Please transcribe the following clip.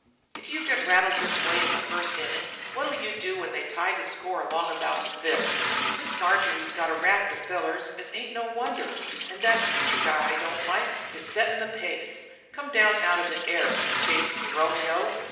If you get rattled this way in the first inning what'll you do when they tie the score along about the fifth? Miss Marjory's got a raft of fellars, as ain't no wonder. An' thet preacher guy I don't like is settin' the pace. Come down out of the air, Chase, me Romeo.